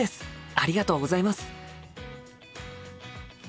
ありがとうございます！